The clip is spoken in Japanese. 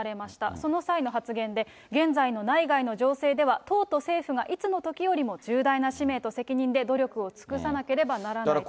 その際の発言で、現在の内外の情勢では党と政府がいつのときよりも重大な使命と責任で努力を尽くさなければならないと。